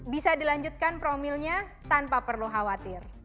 bisa dilanjutkan promilnya tanpa perlu khawatir